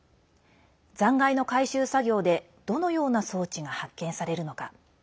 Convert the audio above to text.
残骸の回収作業でどのような装置が発見されるのか。